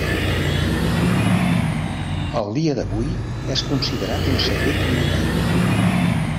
Al dia d'avui, és considerat un secret militar.